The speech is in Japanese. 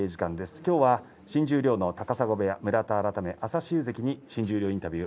きょうは新十両の高砂部屋村田改め朝志雄関に新十両インタビュー